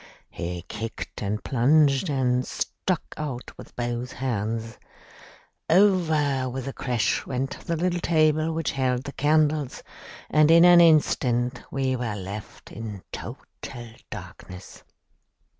He kicked and plunged and struck out with both hands. Over with a crash went the little table which held the candles, and in an instant we were left in total darkness.